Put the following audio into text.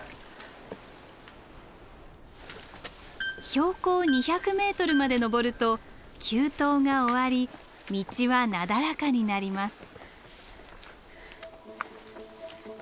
標高２００ｍまで登ると急登が終わり道はなだらかになります。